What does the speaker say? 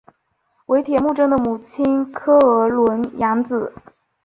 为铁木真的母亲诃额仑养子。